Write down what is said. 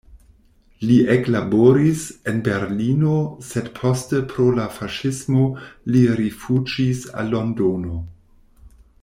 Li eklaboris en Berlino, sed poste pro la faŝismo li rifuĝis al Londono.